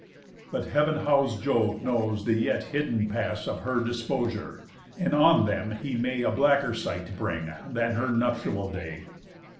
But heav'n hous'd Jove knows the yet hidden pass Of her disposure, and on them he may A blacker sight bring than her nuptial day."